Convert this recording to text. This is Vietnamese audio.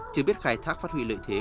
chưa biết khai thác phát huy lợi thế